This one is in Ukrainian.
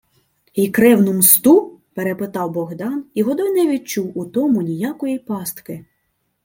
— Й кревну мсту? — перепитав Богдан, і Годой не відчув у тому ніякої пастки.